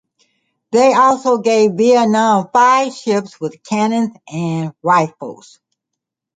They also gave Vietnam five ships with cannons and rifles.